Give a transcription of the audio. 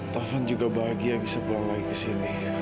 taufan juga bahagia bisa pulang lagi ke sini